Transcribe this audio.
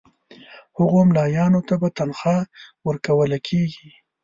هغو مُلایانو ته به تنخوا ورکوله کیږي.